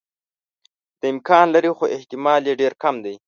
دا امکان لري خو احتمال یې ډېر کم دی.